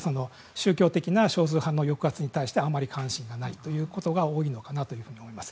宗教的な小宗派の抑圧に対してあまり関心がないことが多いのかなと思います。